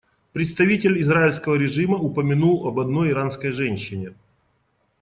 Представитель израильского режима упомянул об одной иранской женщине.